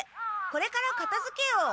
これからかたづけを。